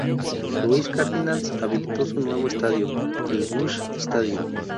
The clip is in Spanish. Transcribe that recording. Louis Cardinals habilitó su nuevo estadio, el Busch Stadium.